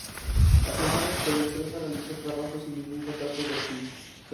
Afirmaron que la empresa realizó trabajos sin ningún contrato de adjudicación.